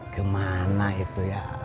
kemana itu ya